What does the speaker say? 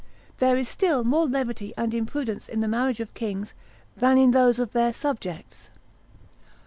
There is still more levity and imprudence in the marriages of kings than in those of their subjects.